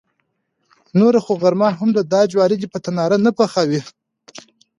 نوره خو غرمه هم ده، دا جواری دې په تناره نه پخاوه.